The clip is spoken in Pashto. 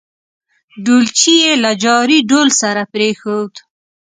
ډولچي یې له جاري ډول سره پرېښوده.